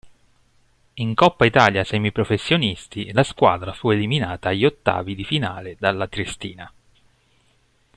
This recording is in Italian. In Coppa Italia Semiprofessionisti la squadra fu eliminata agli ottavi di finale dalla Triestina.